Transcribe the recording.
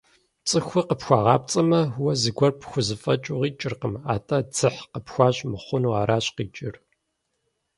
Цӏыхур къыпхуэгъэпцӏамэ, уэ зыгуэр пхузэфӏэкӏыу къикӏыркъым, атӏэ, дзыхь къыпхуащӏ мыхъуну аращ къикӏыр.